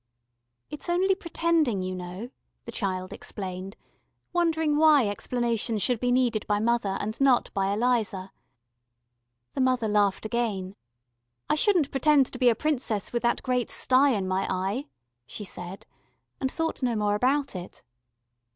"It's only pretending, you know," the child explained, wondering why explanations should be needed by mother and not by Eliza. The mother laughed again. "I shouldn't pretend to be a Princess with that great stye in my eye," she said, and thought no more about it.